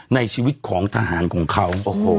ในชีวิตของทหารของเขา